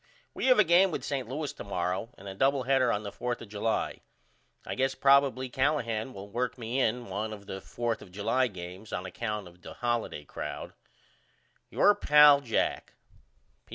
We have a game with St. Louis to morrow and a double header on the 4th of July. I guess probily Callahan will work me in one of the 4th of July games on account of the holiday crowd. Your pal, JACK.